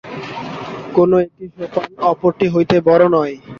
কোন একটি সোপান অপরটি হইতে বড় নয়।